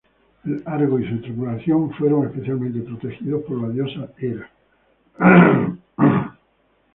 El Argo y su tripulación fueron especialmente protegidos por la diosa Hera.